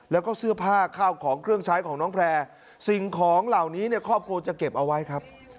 แล้วก็เสื้อผ้าข้าวของเครื่องใช้ของน้องแพร่สิ่งของเหล่านี้เนี่ยครอบครัวจะเก็บเอาไว้ครับ